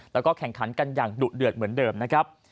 แล้วก็แข่งขันกันอย่างดุเดือดเหมือนเดิมนะครับ